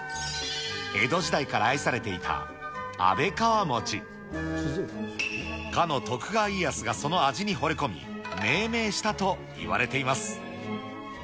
江戸時代から愛されていた安倍川餅。かの徳川家康がその味にほれ込み、命名したといわれています。